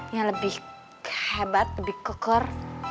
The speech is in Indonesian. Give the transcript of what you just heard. yang lebih hebat lebih keker